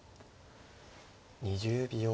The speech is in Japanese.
２０秒。